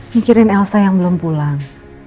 mikirin elsa yang belum pulang